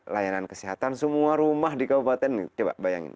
layanan kesehatan semua rumah di kabupaten coba bayangin